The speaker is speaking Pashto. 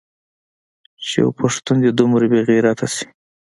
چې يو پښتون دې دومره بې غيرته سي.